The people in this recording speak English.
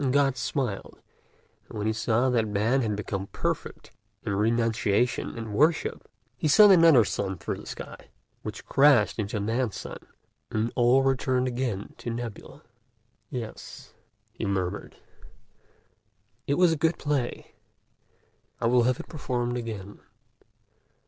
And God smiled; and when he saw that Man had become perfect in renunciation and worship, he sent another sun through the sky, which crashed into Man's sun; and all returned again to nebula. "'Yes,' he murmured, 'it was a good play; I will have it performed again.'"